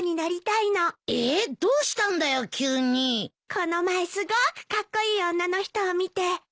この前すごくカッコイイ女の人を見て。